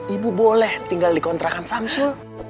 ibu boleh tinggal di kontrakan samsul